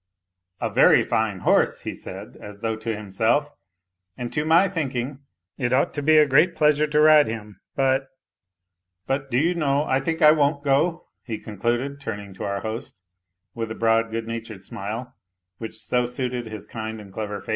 " A very fine horse !" he said, as though to himself, " and to my thinking it ought to be a great pleasure to ride him ; but ... but do you know, I think I won't go? " he concluded, turning to our host with the broad, good natured smile which so suited his kind and clever face.